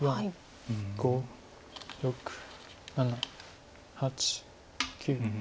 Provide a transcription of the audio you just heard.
５６７８９。